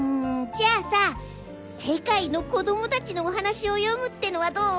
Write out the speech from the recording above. じゃあさせかいの子どもたちのお話を読むってのはどう？